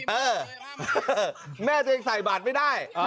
เออแม่ตัวเองใส่บาทไม่ได้